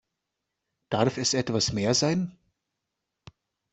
Darf es etwas mehr sein?